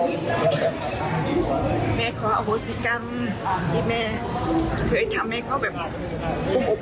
แม่ขออโหสิกรรมที่แม่เคยทำให้เขาแบบอุ้มอบ